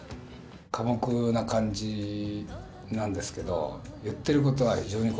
寡黙な感じなんですけど言ってることは非常に子供っぽいですね。